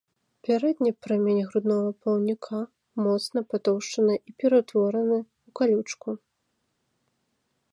Пярэдні прамень груднога плаўніка моцна патоўшчаны і пераўтвораны ў калючку.